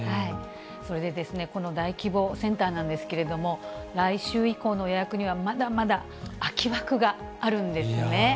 それでですね、この大規模センターなんですけれども、来週以降の予約には、まだまだ空き枠があるんですね。